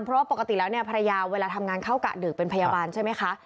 เพราะว่าปกติแล้วเนี่ยภรรยาเวลาทำงานเข้ากะดึกเป็นพยาบาลใช่ไหมคะ